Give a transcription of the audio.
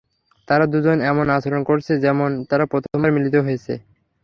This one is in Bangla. তারা দুজন এমন আচরণ করেছে যেমন তারা প্রথমবার মিলিত হয়েছে।